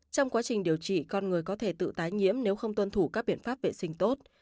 trong quá trình điều trị con người có thể tự tái nhiễm nếu không tuân thủ các biện pháp vệ sinh tốt